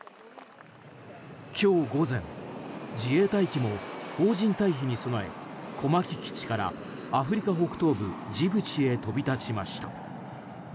今日午前自衛隊機も邦人退避に備え小牧基地からアフリカ北東部ジブチへ飛び立ちました。